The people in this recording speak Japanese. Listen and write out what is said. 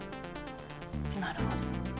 なるほど。